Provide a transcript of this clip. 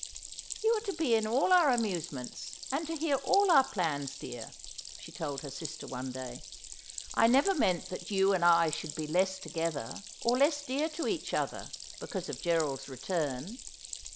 ' You are to be in all our amusements, and to hear all our plans, dear,' she told her sister one day. ' I never meant that you and I should be less together, or less dear to each other because of Gerald's return.